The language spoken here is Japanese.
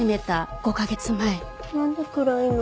なんで暗いの？